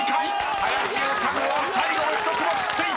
林修は最後の１つも知っていた！］